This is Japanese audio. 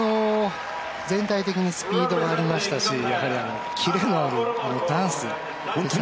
全体的にスピードがありましたしキレもあるダンス。